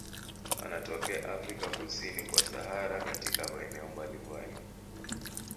Wanatokea Afrika kusini kwa Sahara katika maeneo mbalimbali.